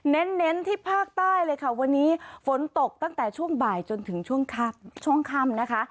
เน้นที่ภาคใต้เลยค่ะวันนี้ฝนตกตั้งแต่ช่วงบ่ายจนถึงช่วงค่ำนะคะ